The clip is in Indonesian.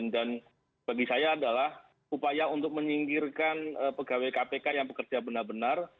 dan bagi saya adalah upaya untuk menyingkirkan pegawai kpk yang bekerja benar benar